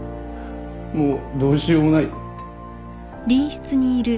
もうどうしようもないって。